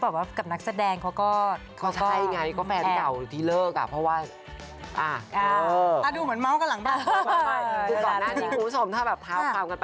แล้วก็เหมือนเค้าไม่ได้มีผู้กำกับด้วยมั้ง